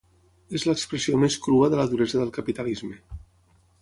És l’expressió més crua de la duresa del capitalisme.